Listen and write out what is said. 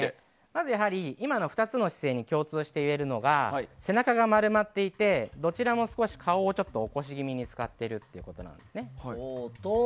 まず、今の２つの姿勢に共通して言えるのが背中が丸まっていてどちらも少し顔を起こし気味に使っているということなんです。